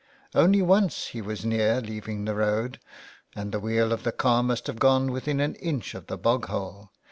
*' Only once he was near leaving the road, and the wheel of the car must have gone within an inch of the bog hole.